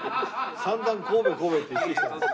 散々神戸神戸って言ってきたんです。